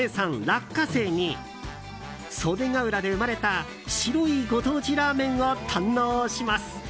落花生に袖ケ浦で生まれた白いご当地ラーメンを堪能します。